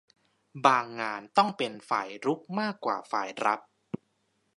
บางงานต้องเป็นฝ่ายรุกมากกว่าฝ่ายรับ